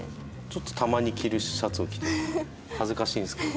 たまに着るシャツを着て恥ずかしいんですけど。